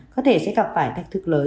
có thể sẽ gặp phải thách thức lớn